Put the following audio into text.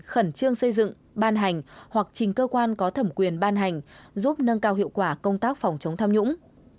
khẩn trương xây dựng ban hành hoặc trình cơ quan có thẩm quyền ban hành giúp nâng cao hiệu quả công tác phòng chống tham nhũng